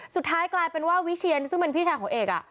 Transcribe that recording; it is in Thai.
สุดท้ายกลายเป็นว่าวิเชียนซึ่งเป็นพี่ชายของเอก